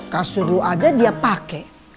kasur lo aja dia pakai